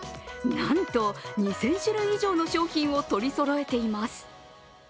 なんと２０００種類以上の商品を取りそろえています。